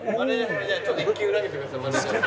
じゃあちょっと１球投げてください。